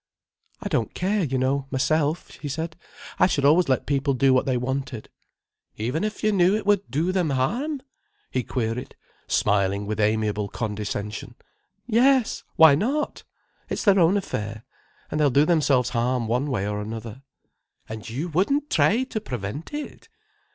"I don't care, you know, myself," she said. "I should always let people do what they wanted—" "Even if you knew it would do them harm?" he queried, smiling with amiable condescension. "Yes, why not! It's their own affair. And they'll do themselves harm one way or another." "And you wouldn't try to prevent it?"